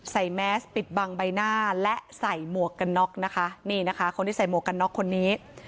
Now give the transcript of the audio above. แมสปิดบังใบหน้าและใส่หมวกกันน็อกนะคะนี่นะคะคนที่ใส่หมวกกันน็อกคนนี้